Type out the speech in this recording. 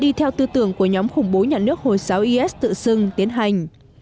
đi theo tư tưởng của nhóm khủng bố nhà nước hồi giáo is tự xưng tiến hành